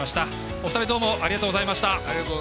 お二人どうもありがとうございました。